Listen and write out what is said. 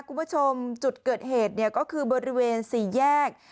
คุณผู้ชมจุดเกิดเหตุเนี่ยก็คือบริเวณสี่แยก